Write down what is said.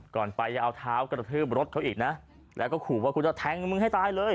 ก่อนไปจะเอาเท้ากระทืบรถเขาอีกนะแล้วก็ขู่ว่ากูจะแทงมึงให้ตายเลย